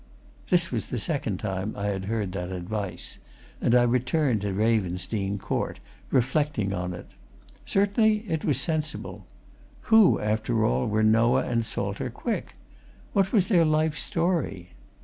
That was the second time I had heard that advice, and I returned to Ravensdene Court reflecting on it. Certainly it was sensible. Who, after all, were Noah and Salter Quick what was their life story.